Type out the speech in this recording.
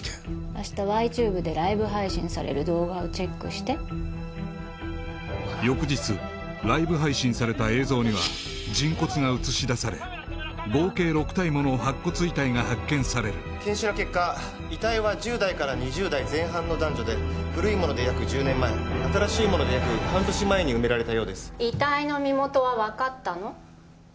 明日Ｙチューブでライブ配信される動画をチェックして翌日ライブ配信された映像には人骨が映し出され合計６体もの白骨遺体が発見される検視の結果遺体は１０代から２０代前半の男女で古いもので約１０年前新しいもので約半年前に埋められたようです遺体の身元は分かったの？